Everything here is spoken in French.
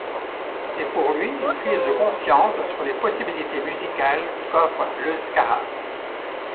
C’est pour lui une prise de conscience sur les possibilités musicales qu’offre l’euskara.